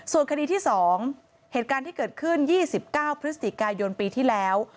ส่วนคดีที่๒เหตุการณ์ที่เกิดขึ้น๒๙พฤศจิกายนปีที่แล้ว